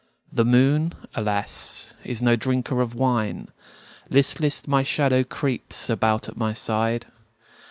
The moon, alas, is no drinker of wine; Listless, my shadow creeps about at my side.